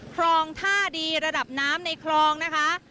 คลองท่าดีระดับน้ำในคลองนะคะ